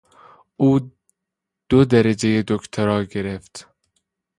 او دو درجهی دکترا گرفت.